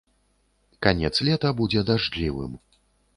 Канец лета будзе дажджлівым.